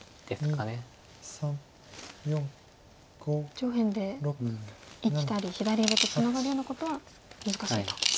上辺で生きたり左上とツナがるようなことは難しいと。